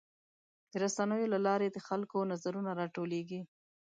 د رسنیو له لارې د خلکو نظرونه راټولیږي.